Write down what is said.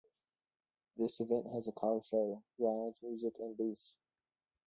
This event has a car show, rides, music, and booths.